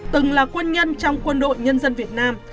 từng là quân nhân trong quân đội nhân dân việt nam